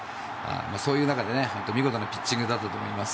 そういう中で見事なピッチングだったと思います。